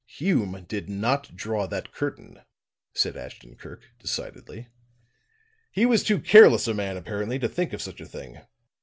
"Hume did not draw that curtain," said Ashton Kirk, decidedly. "He was too careless a man, apparently, to think of such a thing.